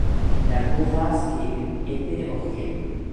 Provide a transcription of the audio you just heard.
La bourrasque est une épée aux reins.